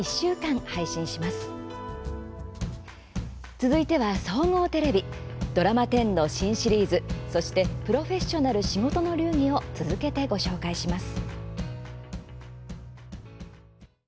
続いては総合テレビドラマ１０の新シリーズそして「プロフェッショナル仕事の流儀」を続けてご紹介します。